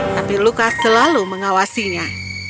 tapi lukas selalu mengawasinya